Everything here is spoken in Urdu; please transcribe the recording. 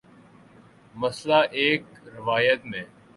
مثلا ایک روایت میں